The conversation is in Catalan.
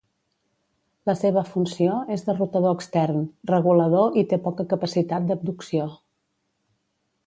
La seva funció és de rotador extern, regulador i té poca capacitat d'abducció.